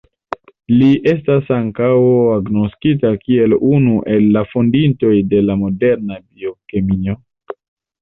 Li estas ankaŭ agnoskita kiel unu el la fondintoj de la moderna biokemio.